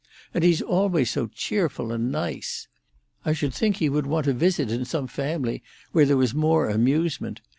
And he's always so cheerful and nice. I should think he would want to visit in some family where there was more amusement.